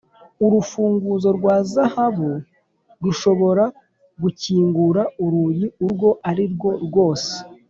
urufunguzo rwa zahabu rushobora gukingura urugi urwo arirwo rwose